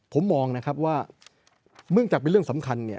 ผมมองนะครับว่าเนื่องจากเป็นเรื่องสำคัญเนี่ย